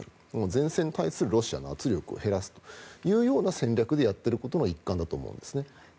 前線に対するロシアの圧力を減らすというような戦略でやっていることの一環だと思うんですね。